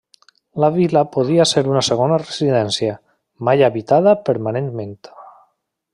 La vil·la podia ser una segona residència, mai habitada permanentment.